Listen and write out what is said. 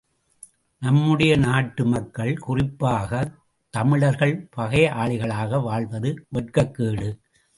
நம்முடைய நாட்டு மக்கள், குறிப்பாகத் தமிழர்கள் பகையாளிகளாக வாழ்வது வெட்கக்கேடு.